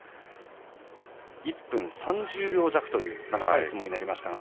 １分３０秒弱という長い相撲になりました。